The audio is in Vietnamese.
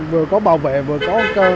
vừa có bảo vệ vừa có camera tại trường